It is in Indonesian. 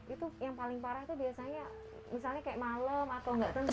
itu yang paling parah itu biasanya misalnya kayak malam atau nggak tentu